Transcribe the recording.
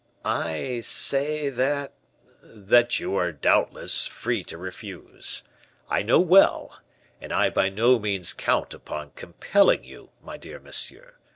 "I say, that " "That you are, doubtless, free to refuse. I know well and I by no means count upon compelling you, my dear monsieur.